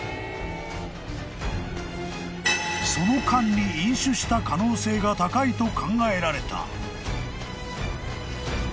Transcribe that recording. ［その間に飲酒した可能性が高いと考えられた］